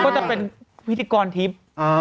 ก็จะเป็นพิธีกรทิพย์